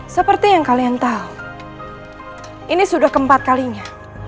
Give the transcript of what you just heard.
seperti yang kalian tahu ini sudah keempat kalinya